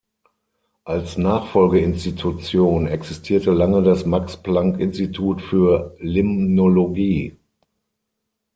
Als Nachfolgeinstitution existierte lange das Max-Planck-Institut für Limnologie.